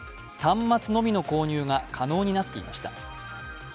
端末のみの購入が可能になっていました。